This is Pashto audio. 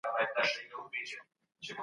ابن خلدون د نسل او قوم پر عواملو خبرې کوي.